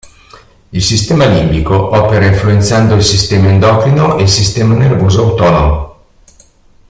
Il sistema limbico opera influenzando il sistema endocrino e il sistema nervoso autonomo.